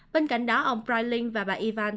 bên cạnh đó ông breitling và bà ivan